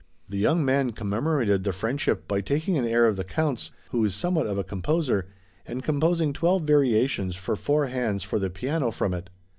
The young man commemorated the friendship by taking an air of the Count's, who was somewhat of a composer, and composing twelve variations for four hands for the piano from it.